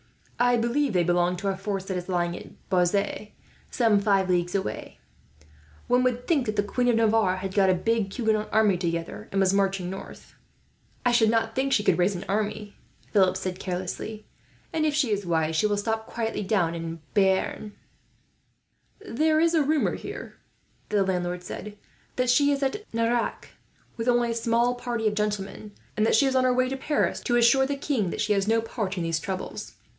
I believe they belong to a force that is lying at Bazas, some five leagues away. One would think that the Queen of Navarre had got a big Huguenot army together, and was marching north." "I should not think she could raise an army," Philip said carelessly; "and if she is wise, she will stop quietly down in Bearn." "There is a rumour here," the landlord said, "that she is at Nerac, with only a small party of gentlemen; and that she is on her way to Paris, to assure the king that she has no part in these troubles.